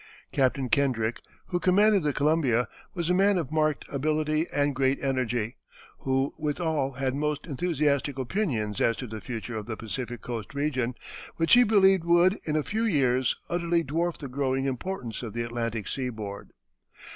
Captain Kendrick, who commanded the Columbia, was a man of marked ability and great energy, who withal had most enthusiastic opinions as to the future of the Pacific Coast region, which he believed would in a few years utterly dwarf the growing importance of the Atlantic seaboard.